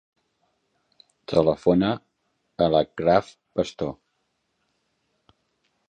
Telefona a l'Achraf Pastor.